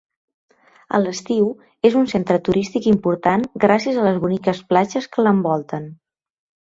A l'estiu, és un centre turístic important gràcies a les boniques platges que l'envolten.